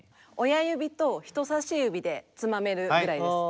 親指と人さし指でつまめるぐらいです。